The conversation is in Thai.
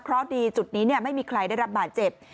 เพราะดีจุดนี้ไม่มีใครได้รับบาดเจ็บ